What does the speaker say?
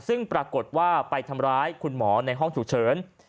ซึ่งปรากฏว่าไปทำร้ายคุณหมอในห้องฉุกเฉิน